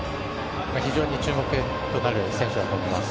非常に注目となる選手だと思います。